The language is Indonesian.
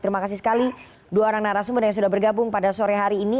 terima kasih sekali dua orang narasumber yang sudah bergabung pada sore hari ini